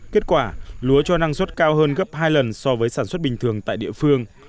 kết quả lúa cho năng suất cao hơn gấp hai lần so với sản xuất bình thường tại địa phương